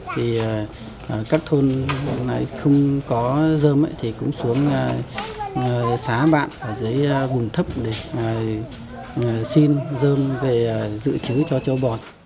thì các thôn không có dơm thì cũng xuống xá bạn ở dưới vùng thấp để xin dơm về dự trữ cho châu bò